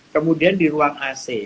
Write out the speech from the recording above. kemudian di ruang ac